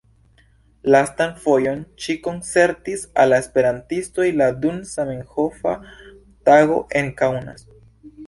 Lastan fojon ŝi koncertis al la esperantistoj la dum Zamenhofa Tago en Kaunas.